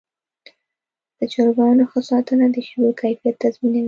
د چرګانو ښه ساتنه د شیدو کیفیت تضمینوي.